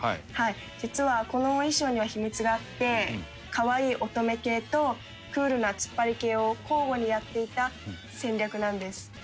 「実はこの衣装には秘密があって可愛い乙女系とクールなツッパリ系を交互にやっていた戦略なんです」